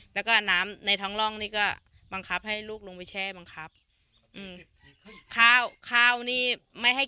แล้วก็น้ำในท้องร่องนี่ก็บังคับให้ลูกลงไปแช่บังคับอืมข้าวข้าวนี่ไม่ให้